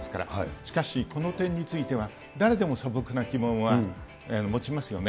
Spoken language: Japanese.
しかし、この点については、誰でも素朴な疑問は持ちますよね。